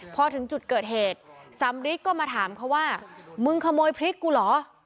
พอถึงจุดเกิดเหตุสำริทก็มาถามเขาว่ามึงขโมยพริกกูเหรอ